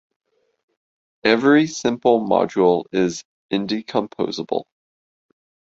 Every simple module is indecomposable.